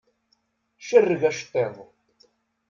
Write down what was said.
Cerreg aceṭṭiḍ.